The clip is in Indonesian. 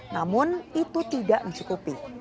namun itu tidak mencukupi